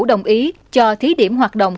đồng ý cho thí điểm hoạt động